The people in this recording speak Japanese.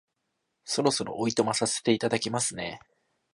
そろそろお暇させていただきますね